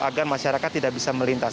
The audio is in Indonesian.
agar masyarakat tidak bisa melintas